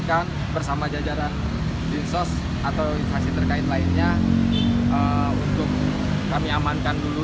kami bersama jajaran dinsos atau instasi terkait lainnya untuk kami amankan dulu